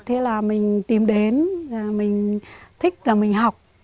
thế là mình tìm đến mình thích là mình học